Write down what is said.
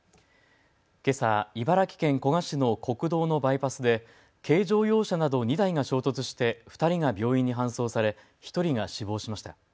けさ茨城県古河市の国道のバイパスで軽乗用車など２台が衝突して２人が病院に搬送され１人が死亡しました。